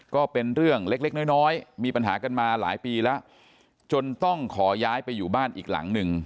ก็เป็นเรื่องเล็กเล็กน้อยน้อยมีปัญหากันมาหลายปีแล้วจนต้องขอย้ายไปอยู่บ้านอีกหลังหนึ่ง